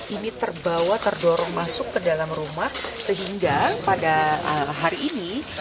ini terbawa terdorong masuk ke dalam rumah sehingga pada hari ini